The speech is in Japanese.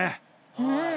うん。